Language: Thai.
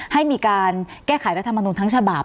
ให้มีการแก้ไขรัฐมนุนทั้งฉบับ